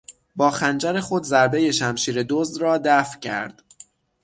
با خنجر خود ضربهی شمشیر دزد را دفع کرد.